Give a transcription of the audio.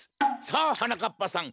さあはなかっぱさん